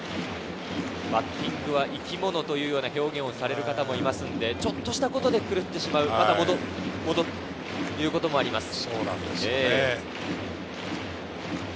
バッティングは生き物と表現される方もいますので、ちょっとしたことで狂ってしまうということがあります。